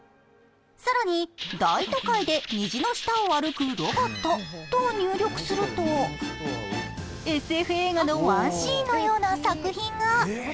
更に「大都会で虹の下を歩くロボット」と入力するとＳＦ映画のワンシーンのような作品が！